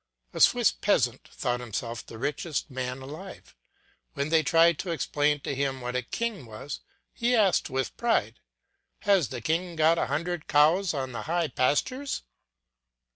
A Swiss peasant thought himself the richest man alive; when they tried to explain to him what a king was, he asked with pride, "Has the king got a hundred cows on the high pastures?"